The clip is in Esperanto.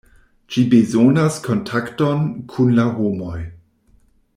Ĝi bezonas kontakton kun la homoj.